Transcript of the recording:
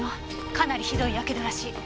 かなりひどいやけどらしい。